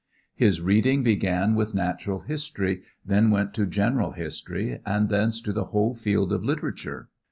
His reading began with natural history, then went to general history, and thence to the whole field of literature.